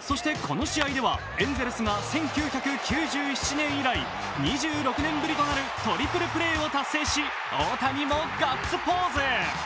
そしてこの試合ではエンゼルスが１９９７年以来、２６年ぶりとなるトリプルプレーを達成し大谷もガッツポーズ。